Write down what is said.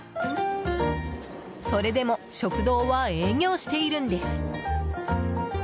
それでも食堂は営業しているんです。